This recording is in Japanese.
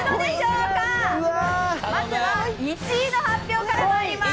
まずは１位の発表から参ります。